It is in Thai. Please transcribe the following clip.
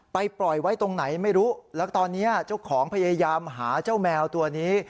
ปล่อยไว้ตรงไหนไม่รู้แล้วตอนนี้เจ้าของพยายามหาเจ้าแมวตัวนี้